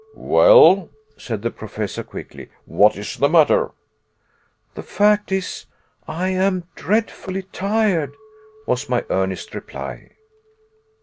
"Well," said the Professor quickly, "what is the matter?" "The fact is, I am dreadfully tired," was my earnest reply.